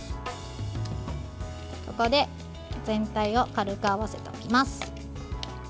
ここで全体を軽く合わせておきます。